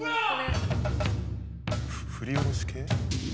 振り下ろし系？